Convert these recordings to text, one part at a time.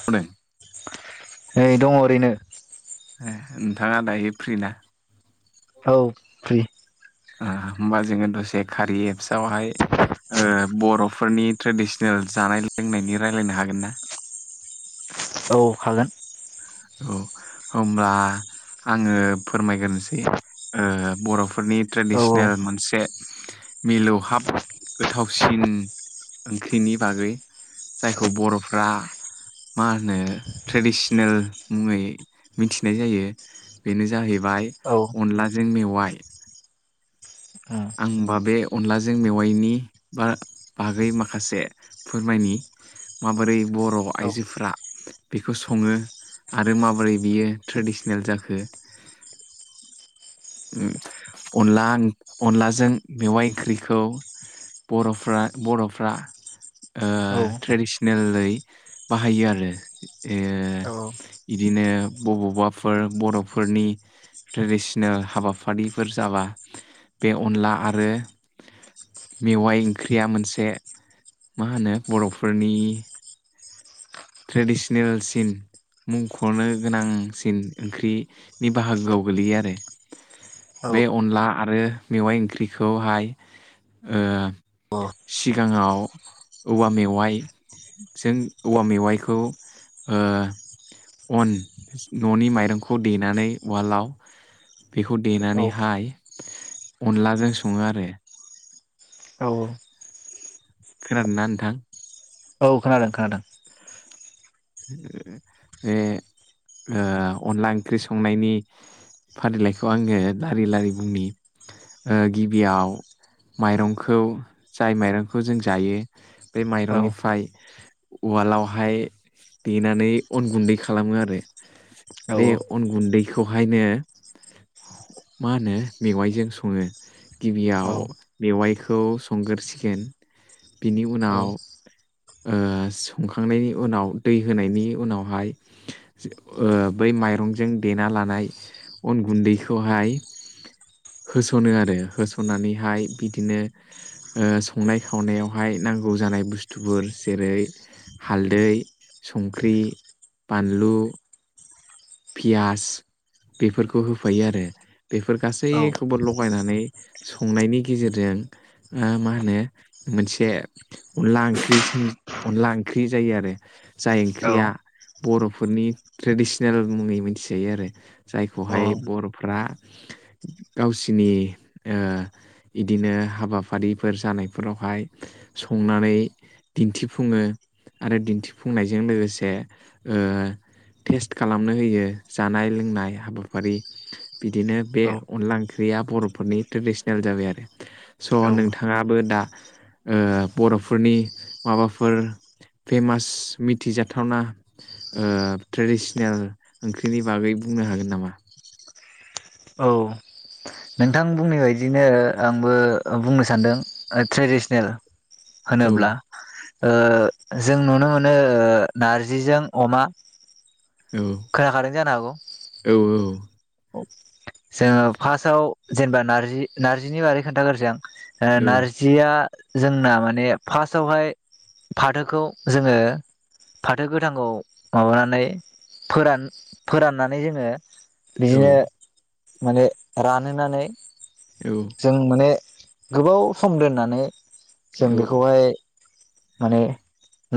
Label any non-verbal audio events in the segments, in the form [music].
[inaudible] नै दङ ओरैनो ए नोंथाङा दायो फ्रि ना औ फ्रि ओ होमबा जोङो दसे खारि एप्स आवहाय ओ बर'फोरनि ट्रेडिसनेल जानाय लोंनायनि रायलायनो हागोन ना औ हागोन औ होमब्ला आङो फोरमायग्रोनोसै ओ बर' फोरनि औ ट्रेडिसनेल मोनसे मिलौहाब गोथावसिन ओंख्रिनि बागै जायखौ बर'फ्रा मा होनो ट्रेडिसनेल मुङै मिथिनाय जायो बेनो जाहैबाय औ अनलाजों मेवाइ उम आंबा बे अनलाजों मेवायनि मा बागै माखासे फोरमायनि माबोरै बर' औ आइजोफ्रा बेखौ सङो आरो माबोरै बियो ट्रेडिसनेल जाखो ओम अनला अनलाजों मेवाइ ओंख्रिखौ बर'फ्रा बर'फ्रा ओ औ ट्रेडिसनेलयै बाहायो आरो ओ औ इदिनो बबावबाफोर बर'फोरनि ट्रेडिसनेल हाबाफारिफोर जाबा बे अनला आरो मेवाइ ओंख्रिया मोनसे मा होनो बर'फोरनि ट्रेडिसनेल सिन मुंख'नो गोनांसिन ओंख्रिनि बाहागोआव गोलैयो आरो बे अनला आरो मेवाइ ओंख्रिखौहाय ओ सिगाङाव औवा मेवाइजों औवा मेवाइ खौ ओ अन न'नि माइरंखौ देनानै उवालाव बेखौ औ देनानैहाय अनलाजों सङो आरो औ [inaudible] खोनादों ना नोंथां? [unintelligible] खोनादों बे ओ अनला ओंख्रि संनायनि फारिलाइखौ आङो फारिलायनि ओ गिबियाव माइरंखौ जाय माइरंखौ जों जायो बे औ माइरंनिफ्राय उवालावहाय देनानै अन गुन्दै खालामो आरो औ बे अन गुन्दैखौहायनो मा होनो मेवाइजों सङो। औ गिबियाव मेवाइखौ संग्रो सिगोन बिनि उनाव, ओ संखांनायनि उनाव दै होनायनि उनावहाय ओ बै माइरंजों देना लानाय अन गुन्दैखौहाय होसनो आरो होसननानैहाय बिदिनो ओ संनाय खावनायावहाय नांगौ जानाय बुस्थ थुफोर जेरै हालदै, संख्रि, बानलु, पियास बेफोरखौ होफायो आरो बेफोर गासैखौबो लगायनानै संनायनि गेजेरजों ओ मा होनो मोनसे अनला ओंख्रि सोमजि अनला ओंख्रि जायो आरो जाय ओंख्रिया बर' फोरनि ट्रेडिस नेल मुङै मिन्थिजायो आरो जायखौहाय औ औ बर'फ्रा गावसिनि ओ इदिनो हाबाफारिफोर जानायफोरावहाय संनानै दिन्थिफुङो आरो दिन्थिफुंनायजों लोगोसे ओ टेस्ट खालामनो होयो जानाय लोंनाय हाबाफारि बिदिनो बे अनला ओंख्रिया बर' फोरनि ट्रेडिसनेल जाबाय आरो। स नोंथाङाबो दा ओ बर' फोरनि माबाफोर फेमास मिथिजाथावना ओ ट्रेडिस नेल ओंख्रिनि बागै बुंनो हागोन नामा? औ। नोंथां बुंनाय बायदिनो आंबो बुंनो सानदों ओ ट्रेडिसनेल औ होनोब्ला ओ जों नुनो मोनो ओ नारजिजों अमा औ खोनाखादों जानो हागौ? औ औ। जोङो फार्स्टाव जेनेबा नारजि नार्जिनि बारै खोन्थागारसै आं ओ औ नारजि जिया जोंना माने फार्स्टआवहाय फाथोखौ जोङो। फाथो गोथांखौ माबानानै फोरान फोराननानै जोङो। बिदिनो औ माने रानहोनानै। औ। जों माने गोबाव सम दोननानै जों बेखौहाय माने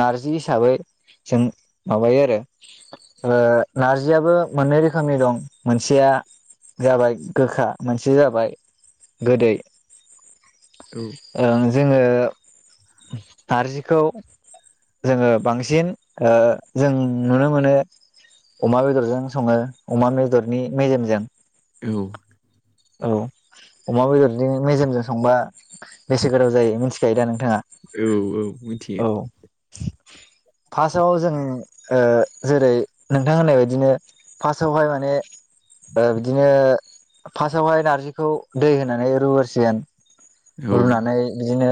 नारजि हिसाबै जों माबायो आरो। ओ नारजियाबो मोननै रोखोमनि दं। मोनसेया जाबाय गोखा मोनसे जाबाय गोदै। औ ओ जोङो नारजिखौ जोङो बांसिन ओ जों नुनो मोनो अमा बेदरजों सङो अमा बेदरनि मेजेमजों। औ औ अमा बेदरनि मेजेमजों संबा बेसे गोथाव जायो मिन्थिखायो दा नोंथाङा? औ औ औ मोनथियो। फार्स्टआव जों ओ जेरै नोंथां होननाय बायदिनो फार्स्टावहाय माने ओ बिदिनो फार्स्टावहाय नारजिखौ दै होनानै रुगोरसिगोन। रुनानै बिदिनो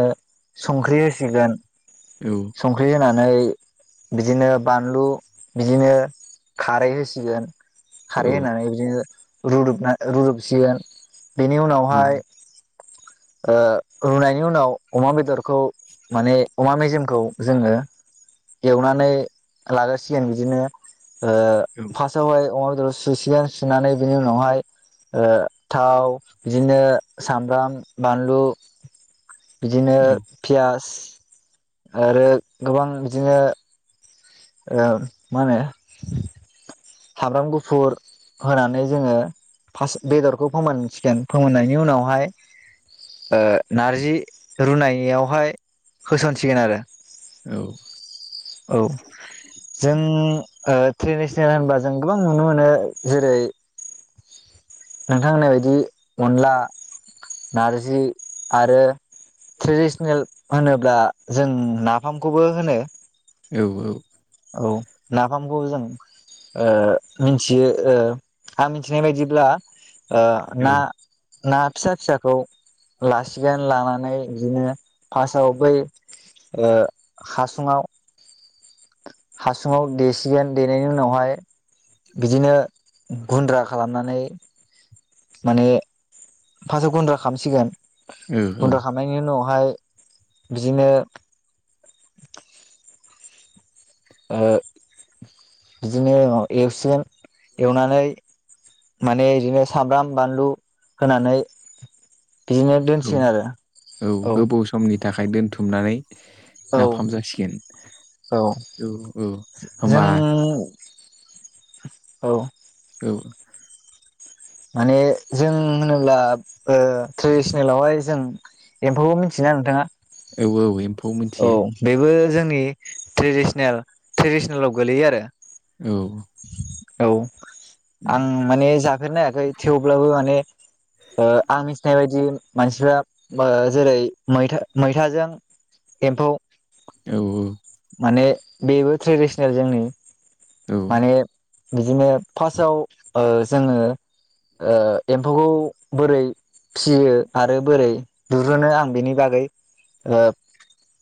संख्रि होसिगोन। औ संख्रि होनानै बिदिनो बानलु बिदिनो खारै होसिगोन। खारै होनानै बिदिनो रुदुबना रुदुबसिगोन बेनि उनावहाय ओ रुनायनि उनाव अमा बेदरखौ माने अमा मेजेमखौ जोङो एवनानै लागोरसिगोन बिदिनो ओ फास्ट सावहाय अमा बेदर सुसिगोन सुनानै बेनि उनावहाय ओ थाव बिदिनो सामब्राम बानलु बिदिनो पियास आरो गोबां बिदिनो ओ मा होनो सामब्राम गुफुर होनानै जोङो फास्त बेदरखौ फोमोनसिगोन फोमोननायनि उनावहाय ओ नारजि रुनाययावहाय होसनसिगोन आरो। औ जों ओ ट्रेडिसनेल होनबा जों गोबां नुनो मोनो जेरै नोंथां होननाय बायदि अनला नारजि आरो ट्रेडिसनेल होनोब्ला जों नाफामखौबो होनो। औ औ। औ नाफामखौबो जों ओ मिनथियो ओ आं मिनथिनाय बायदिब्ला ओ ना ना फिसा फिसाखौ लासिगोन लानानै बिदिनो फास्टआव बै ओ हासुङाव हासुङाव देसिगोन देनायनि उनावहाय बिदिनो गुन्द्रा खालामनानै माने फासाव गुन्द्रा खामसिगोन गुन्द्रा खाम खांनायनि उनावहाय बिदिनो ओ बिदिनो एवसिगोन एवनानै माने इदिनो सामब्राम बानलु होनानै बिदिनो दोनसिगोन आरो औ। समनि थाखाय दोनथुमनानै नाफाम जासिगोन औ औ औ जों होमबा औ। औ। माने जों होनोब्ला ओ ट्रेडिसनेलावहाय जों एम्फौबो मिथियोना नोंथाङा? औ औ एमफौ औ बेबो जोंनि ट्रेदिसनेल ट्रेडिसनेलाव गोलैयो आरो। औ। औ उम आं माने जाफेरनायाखै थेवब्लाबो माने ओ आं मिथिनाय बायदि मानसिफ्रा ओ जेरै मैथा मैथाजों एम्फौ औ औ। माने बेबो ट्रेडिसनेल जोंनि औ माने बिदिनो फासाव ओ जोङो ओ एम्फौखौ बोरै फिसियो आरो बोरै दुरुनो आं बेनि बागै ओ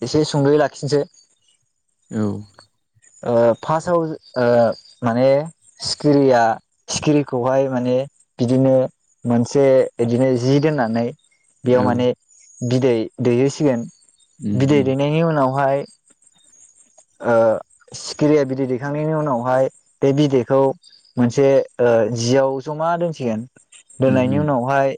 एसे सुंदयै लाखिनोसै। औ‌। ओ फासाव ओ माने सिखिरिया सिखिरिखौहाय माने बिदिनो मोनसे इदिनो जि दोननानै बेयाव औ माने बिदै दैहोसिगोन उम बिदै उम दैनायनि उनावहाय ओ सिखिरिया बिदै दैखांनायनि उनावहाय बे बिदैखौ मोनसे ओ जियाव जमा दोनसिगोन उम दोननायनि उम उनावहाय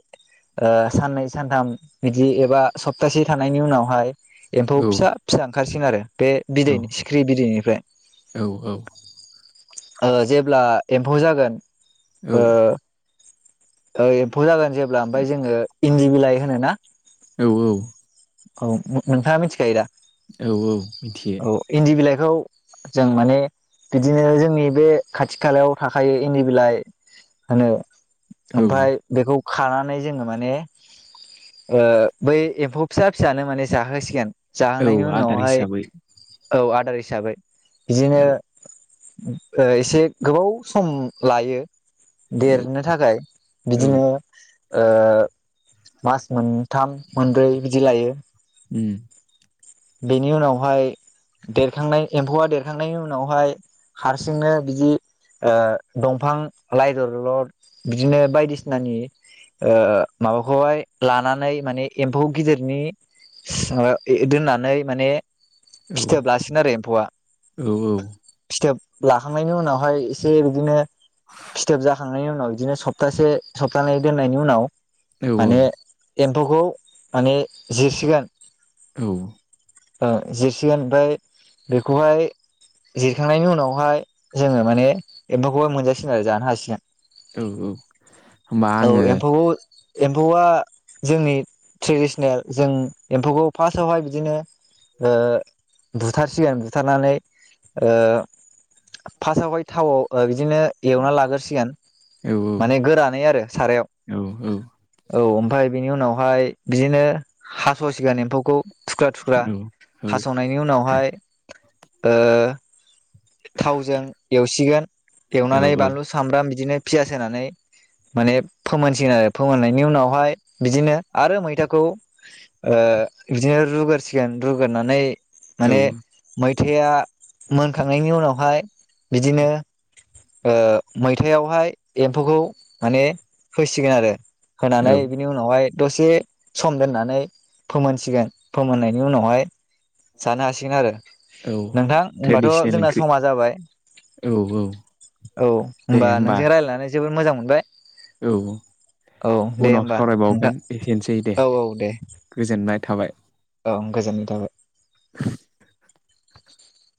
ओ साननै सानथाम बिदि एबा सप्तासे थानायनि उनावहाय एम्फौ औ फिसा फिसा ओंखारसिगोन आरो बे औ बिदैनि सिख्रि बिदैनिफ्राय। औ औ। ओ जेब्ला एम्फौ जागोन ओ ओ एम्फौ जागोन जेब्ला ओमफाय जोङो इन्दि बिलाइ होनो ना? औ औ। औ ओ नोंथाङा मिथिखायो दा? औ औ मिथियो। औ इन्दि बिलाइखौ जों माने बिदिनो जोंनि बे खाथि खालायाव थाखायो इन्दि बिलाइ खानो। औ ओमफाय बेखौ खानानै जोङो माने ओ बै एम्फौ फिसा फिसानो माने जाहोसिगोन जाहोनायनि औ आदार उनावहाय हिसाबै औ आदार हिसाबै बिदिनो औ ओ एसे गोबाव सम लायो। औ देरनो थाखाय औ बिदिनो ओ मास मोनथाम मोनब्रै बिदि लायो। उम। बेनि उनावहाय एम्फौआ देरखांनाय उनावहाय हारसिंनो बिदि ओ दंफां लाइदरलर बिदिनो बायदिसिनानि ओ माबाखौहाय लानानै माने एम्फौ गिदिरनि ओ एदोना [unintelligible] नै माने औ फिथोब लासिगोन आरो एम्फौआ। औ फिथोब लाखांनायनि उनावहाय एसे बिदिनो फिथोब जाखां नायनि उनाव इदिनो सफ्थासे सफ्थानै दोननायनि उनाव औ माने एम्फौखौ माने जिरसिगोन। औ ओ जिरसिगोन ओमफ्राय बेखौहाय जिरखांनायनि उनावहाय जोंङो माने एम्फौखौहाय मोनजासिगोन आरो जानो हासिगोन। औ औ होमबा औ आङो एम्फौखौ एम्फौआ जोंनि ट्रेडिसनेल जों एम्फौखौ फार्स्टआवहाय बिदिनो ओ बुथारसिगोन बुथारनानै ओ फास्सावहाय थावआव ओ बिदिनो एवना लागोरसिगोन औ माने गोरानै आरो सारायाव। औ औ औ ओमफाय बेनि उनावहाय बिदिनो हास' सिगोन एम्फौखौ थुख्रा थुख्रा औ हास'नायनि उनावहाय ओ थावजों एवसिगोन एवनानै औ बानलु, सामब्राम बिदिनो पियास होनानै माने फोमोनसिगोन आरो फोमोननायनि उनावहाय बिदिनो आरो मैथाखौ ओ बिदिनो रुगोरसि गोन रुगोरनानै माने औ मैथायया मोनखांनायनि उनावहाय बिदिनो ओ मैथायावहाय एम्फौखौ माने होसिगोन आरो औ होनानै बेनि उनावहाय दसे सम दोन्नानै फोमोनसिगोन फोमोननाय बेनि उनावहाय जानो हासिगोन आरो औ नोंथां होमबाथ' ट्रेडिसनेल जोंना ओंख्रि समा जाबाय औ औ औ होमबा नोंजों रायजलायनानै जोबोद मोजां मोनबाय। औ औ दे उनाव होमबा नोंथां सावरायबावगोन एसेनोसै दे। औ औ दे गोजोननाय थाबाय। औ गोजोननाय थाबाय। [inaudible]